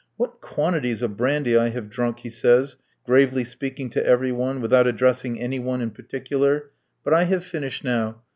"What quantities of brandy I have drunk," he says, gravely speaking to every one, without addressing any one in particular, "but I have finished now.